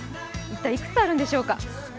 一体いくつあるんでしょうか。